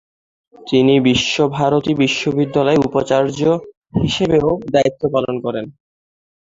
তিনি বিশ্বভারতী বিশ্ববিদ্যালয়ের উপাচার্য হিসেবেও দায়িত্ব পালন করেন।